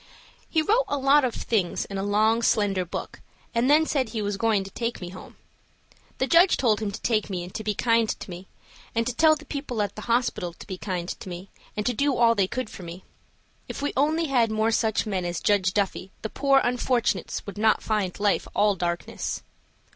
He wrote a lot of things in a long, slender book, and then said he was going to take me home. The judge told him to take me and to be kind to me, and to tell the people at the hospital to be kind to me, and to do all they could for me. If we only had more such men as Judge Duffy, the poor unfortunates would not find life all darkness.